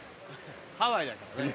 ハワイだからね。